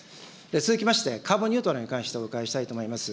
続きまして、カーボンニュートラルに関してお伺いしたいと思います。